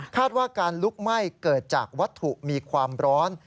ว่าการลุกไหม้เกิดจากวัตถุมีความร้อน